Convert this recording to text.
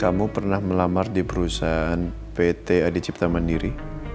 kamu pernah melamar di perusahaan pt adi cipta mandiri